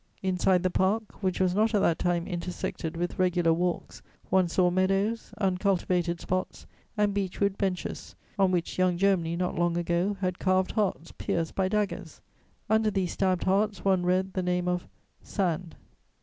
Inside the Park, which was not at that time intersected with regular walks, one saw meadows, uncultivated spots, and beech wood benches, on which Young Germany not long ago had carved hearts pierced by daggers: under these stabbed hearts one read the name of "Sand."